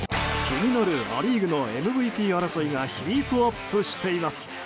気になるア・リーグのＭＶＰ争いがヒートアップしています。